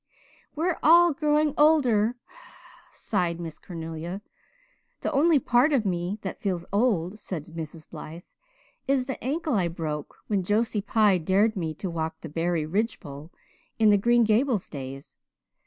"We're all growing older," sighed Miss Cornelia. "The only part of me that feels old," said Mrs. Blythe, "is the ankle I broke when Josie Pye dared me to walk the Barry ridge pole in the Green Gables days.